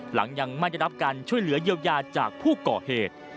หลังยังไม่ได้รับการช่วยเหลือเยียวยาจากผู้ก่อเหตุ